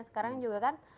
sekarang juga kan